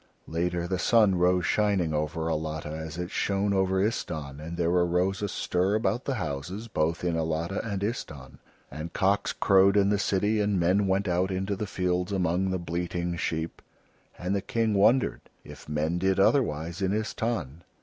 Later the sun rose shining over Alatta as it shone over Istahn, and there arose a stir about the houses both in Alatta and Istahn, and cocks crowed in the city and men went out into the fields among the bleating sheep; and the King wondered if men did otherwise in Istahn.